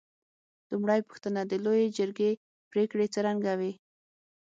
لومړۍ پوښتنه: د لویې جرګې پرېکړې څرنګه وې؟